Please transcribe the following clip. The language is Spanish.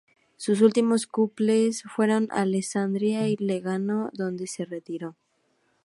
Sus últimos clubes fueron Alessandria y Legnano, donde se retiró.